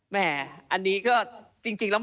แม่อันนี้ก็จริงแล้ว